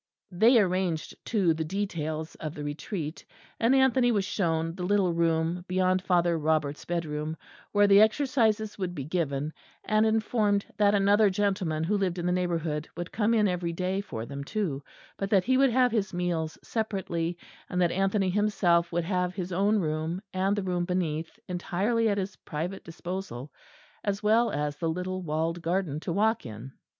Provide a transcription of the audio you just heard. They arranged too the details of the Retreat; and Anthony was shown the little room beyond Father Robert's bedroom, where the Exercises would be given; and informed that another gentleman who lived in the neighbourhood would come in every day for them too, but that he would have his meals separately, and that Anthony himself would have his own room and the room beneath entirely at his private disposal, as well as the little walled garden to walk in.